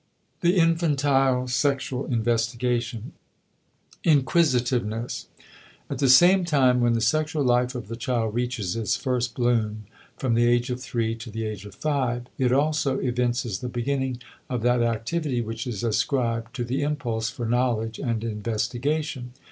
THE INFANTILE SEXUAL INVESTIGATION *Inquisitiveness.* At the same time when the sexual life of the child reaches its first bloom, from the age of three to the age of five, it also evinces the beginning of that activity which is ascribed to the impulse for knowledge and investigation.